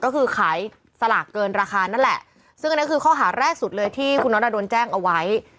ก็คือขายสลากเกินราคานั่นแหละซึ่งอันนั้นคือข้อหาแรกสุดเลยที่คุณน็อตโดนแจ้งเอาไว้